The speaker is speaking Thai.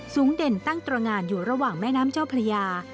เด่นตั้งตรงานอยู่ระหว่างแม่น้ำเจ้าพระยา